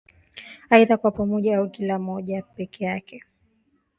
Aidha kwa pamoja au kila moja peke yake